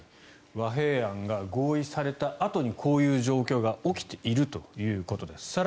和平案が合意されたあとのこういう状況が起きているということです。